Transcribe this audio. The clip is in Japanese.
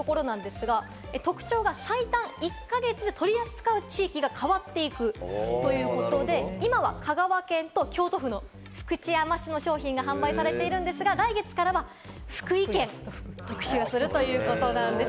特徴が最短１か月で取り扱う地域が変わっていくということで、今は香川県と京都府の福知山市の商品が販売されているんですが、来月からは福井県、特集するということなんです。